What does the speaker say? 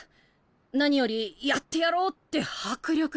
何よりやってやろうって迫力が。